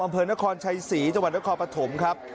อำเภอนครชัยศรีจังหวัดนครปฐมครับ